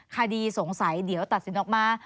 คดีสงสัยเดี๋ยวตัดสินออกมา